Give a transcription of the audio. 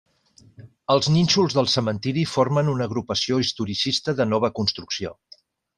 Els nínxols del cementiri formen una agrupació historicista de nova construcció.